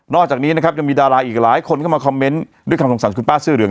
อกจากนี้นะครับยังมีดาราอีกหลายคนเข้ามาคอมเมนต์ด้วยคำสงสารคุณป้าเสื้อเหลือง